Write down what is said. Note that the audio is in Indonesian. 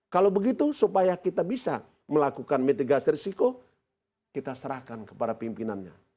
kalau begitu supaya kita bisa melakukan mitigasi risiko kita serahkan kepada pimpinannya